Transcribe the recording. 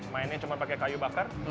mainnya cuma pakai kayu bakar